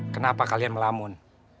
kenapa kalian melamun